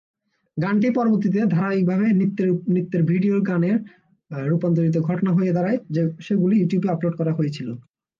গানটি পরবর্তীতে ধারাবাহিকভাবে নৃত্যের ভিডিওর গানে রুপান্তরিত ঘটনা হয়ে দাড়ায়, যেগুলো ইউটিউবে আপলোড করা হয়েছিল।